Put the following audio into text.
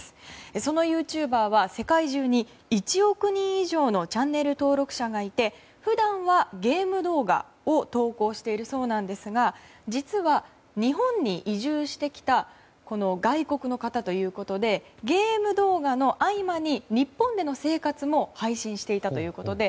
そのユーチューバーは世界中に１億人以上のチャンネル登録者がいて普段は、ゲーム動画を投稿しているそうですが実は、日本に移住してきた外国の方ということでゲーム動画の合間に日本での生活も配信していたということで。